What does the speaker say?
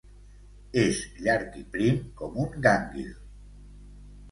És llarg i prim com un gànguil.